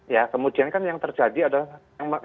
ya kemudian kan yang terjadi adalah